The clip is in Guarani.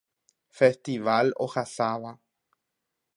Festival ohasáva.